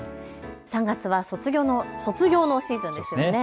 ３月は卒業のシーズンですよね。